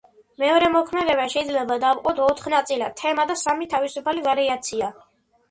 მეორე მოქმედება შეიძლება დავყოთ ოთხ ნაწილად: თემა და სამი თავისუფალი ვარიაცია.